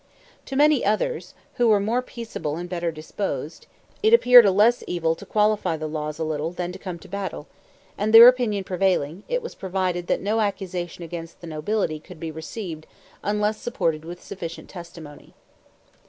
To many others, who were more peaceable and better disposed, it appeared a less evil to qualify the laws a little than to come to battle; and their opinion prevailing, it was provided that no accusation against the nobility could be received unless supported with sufficient testimony.